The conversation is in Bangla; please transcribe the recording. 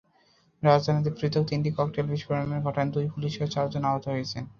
রাজধানীতে পৃথক তিনটি ককটেল বিস্ফোরণের ঘটনায় দুই পুলিশসহ চারজন আহত হয়েছেন।